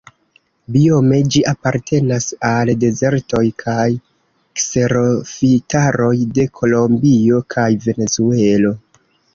Biome ĝi apartenas al dezertoj kaj kserofitaroj de Kolombio kaj Venezuelo.